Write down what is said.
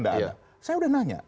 saya sudah nanya